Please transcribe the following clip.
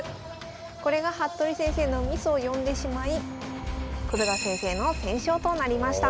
これが服部先生のミスを呼んでしまい黒田先生の先勝となりました。